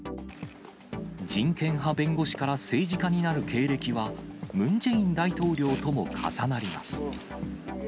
人権派弁護士から政治家になる経歴は、ムン・ジェイン大統領とも重なります。